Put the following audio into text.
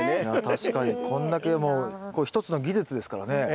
確かにこんだけもう一つの技術ですからね。